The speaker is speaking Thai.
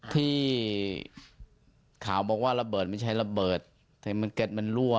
ที่ข่าวบอกว่าระเบิดไม่ใช่ระเบิดแต่มันเก็ตมันรั่ว